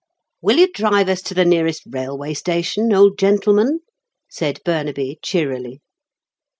"Will you drive us to the nearest railway station, old gentleman?" said Burnaby cheerily.